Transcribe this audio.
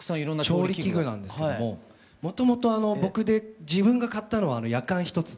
調理器具なんですけどももともと僕で自分が買ったのはやかん一つで。